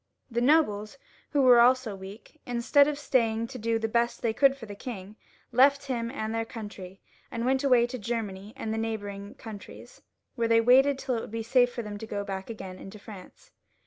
The nobles, who were also weak, instead of staying to do the best they could for the king, left him and their country, and went away to Germany and the neighbouring countries, where they waited till it should be safe for them to go back again into France.